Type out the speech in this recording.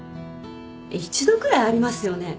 一度くらいありますよね？